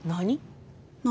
何？